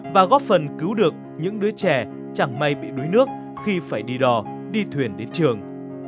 và góp phần cứu được những đứa trẻ chẳng may bị đuối nước khi phải đi đò đi thuyền đến trường